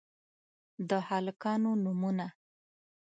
د هلکانو نومونه: